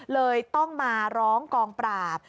เลยต้องมาร้องกองปราบ